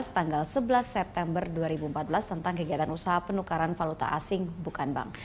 tanggal sebelas september dua ribu empat belas tentang kegiatan usaha penukaran valuta asing bukan bank